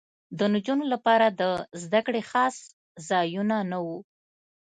د نجونو لپاره د زدکړې خاص ځایونه نه وو